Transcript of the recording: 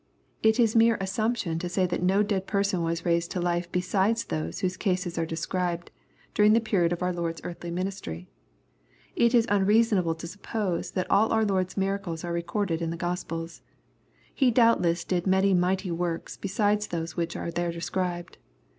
It is mere assumption to say that no dead person was raised to life beside those whose cases are described, during the period of our Lord's earthly ministry. It is unreasonable to suppose that all our Lord's miracles are recorded in the Gospels. He doubtless did many mighty works, beside those which are there described.